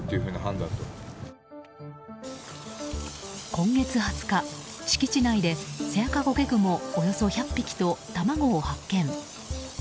今月２０日、敷地内でセアカゴケグモおよそ１００匹と卵を発見。